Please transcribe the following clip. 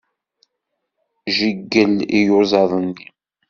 Jeyyel iyuzaḍ-nni.